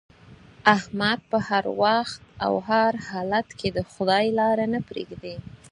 احمد په هر وخت او هر حالت کې د خدای لاره نه پرېږدي.